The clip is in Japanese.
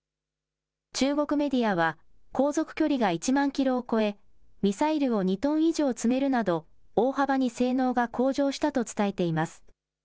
中国メディアは、航続距離が１万キロを超え、ミサイルを２トン以上積めるなど、大幅に性能が向上したと伝えています。